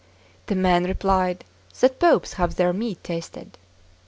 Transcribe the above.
The man replied that Popes have their meat tasted.